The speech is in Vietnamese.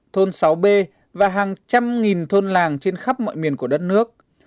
thôn sáu b và hàng trăm nghìn thôn làng trên khắp mọi miền của đất nước